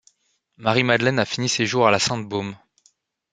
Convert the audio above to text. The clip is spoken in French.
Marie-Madeleine a fini ses jours à la Sainte-Baume.